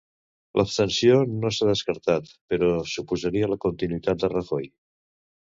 L'abstenció no s'ha descartat, però suposaria la continuïtat de Rajoy.